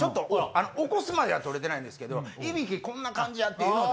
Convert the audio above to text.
起こすまでは撮れてないんですけどイビキこんな感じやっていうのをちょっと。